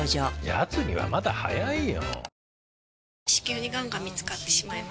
やつにはまだ早いよ。